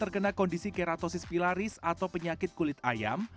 untuk mengurangi kondisi keratosis pilaris atau penyakit kulit ayam